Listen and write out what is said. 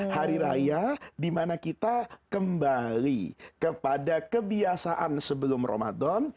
hari raya dimana kita kembali kepada kebiasaan sebelum ramadan